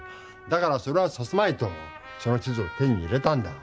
だからそれはさせまいとその地図を手に入れたんだ。